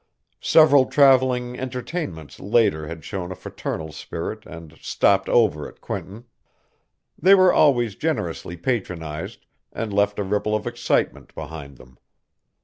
Several travelling entertainments later had shown a fraternal spirit and "stopped over" at Quinton. They were always generously patronized and left a ripple of excitement behind them.